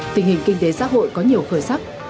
tình hình kinh tế xã hội có nhiều khởi sắc